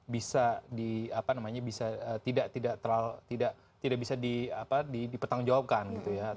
bisa di apa namanya bisa tidak bisa dipertanggungjawabkan gitu ya